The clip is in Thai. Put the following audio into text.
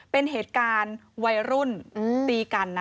เป็นเหตุการณ์วัยรุ่นตีกันนะ